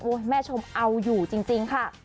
โอ้ยแม่ชมเอาอยู่จริงคะ